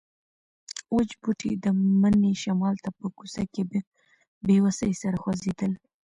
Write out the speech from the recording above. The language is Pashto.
وچ بوټي د مني شمال ته په کوڅه کې په بې وسۍ سره خوځېدل.